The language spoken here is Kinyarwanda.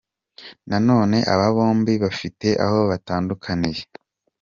Nanone aba bombi bafite aho batandukaniye.